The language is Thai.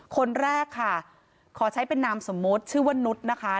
คนแรกค่ะขอใช้เป็นนามสมมุติชื่อว่านุษย์นะคะ